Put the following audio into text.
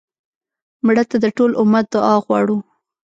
مړه ته د ټول امت دعا غواړو